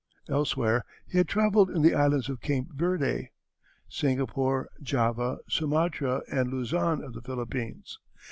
Elsewhere he had travelled in the islands of Cape Verde, Singapore, Java, Sumatra, and Luzon of the Philippines.